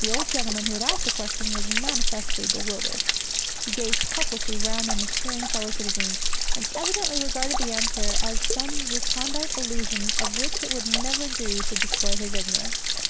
The old gentleman who had asked the question was manifestly bewildered; he gazed helplessly round on his cheering fellow citizens, and evidently regarded the answer as some recondite allusion of which it would never do to display his ignorance.